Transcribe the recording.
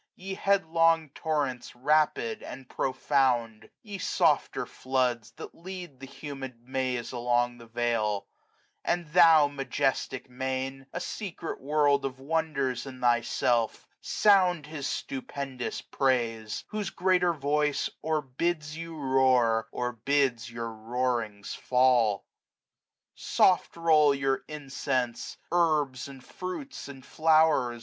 Ye headlong torrents, rapid, and profound; 50 Ye softer floods, that lead the humid maze Along the vale ; and thou, majestic main, A secret world of wonders in thyself, Sound His stupendous praise; whofe greater voice Or bids you roar, or bids your roarings fall. ^^ Soft roll your incense, herbs, andfruits, andflow'rs.